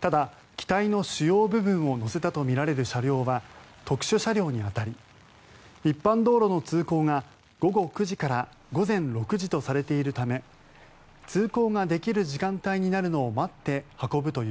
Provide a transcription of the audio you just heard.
ただ、機体の主要部分を載せたとみられる車両は特殊車両に当たり一般道路の通行が午後９時から午前６時とされているため通行ができる時間帯になるのを待って疲れた！